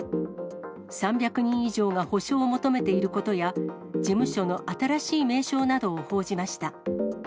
３００人以上が補償を求めていることや、事務所の新しい名称などを報じました。